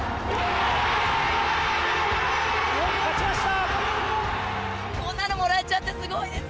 日本、勝ちました！